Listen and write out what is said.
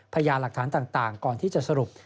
พยายามหลักฐานต่างก่อนที่จะสรุป